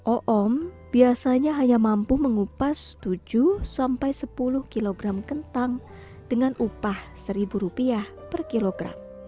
oom biasanya hanya mampu mengupas tujuh sepuluh kg kentang dengan upah rp satu per kilogram